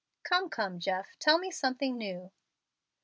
"Come, come, Jeff, tell me something new."